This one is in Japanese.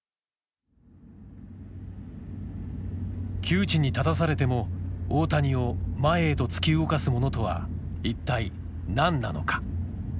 窮地に立たされても大谷を前へと突き動かすものとは一体何なのか？